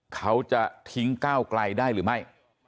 เขาจะทิ้งก้าวไกลได้หรือไม่